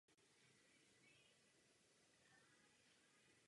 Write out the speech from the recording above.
Mají pouze podpůrné a administrativní úkoly.